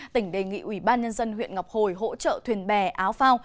tỉnh đề nghị ubnd huyện ngọc hồi hỗ trợ thuyền bè áo phao